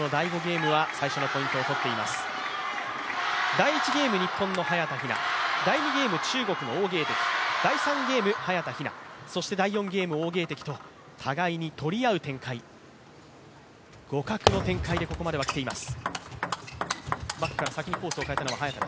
第１ゲーム、日本の早田ひな、第２ゲーム、中国の王ゲイ迪、第３ゲーム、早田ひな、そして第４ゲーム、王ゲイ迪と互いに取り合う展開、互角の展開でここまでは来ています。